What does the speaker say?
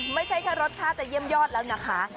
ไม่ใช่แค่รสชาติจะเยี่ยมยอดแล้วนะคะ